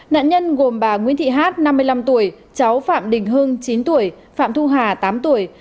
nạn nhân gồm bà nguyễn thị hát năm mươi năm tuổi cháu phạm đình hưng chín tuổi phạm thu hà tám tuổi